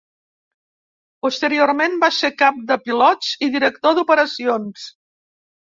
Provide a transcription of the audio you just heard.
Posteriorment va ser Cap de Pilots i Director d'Operacions.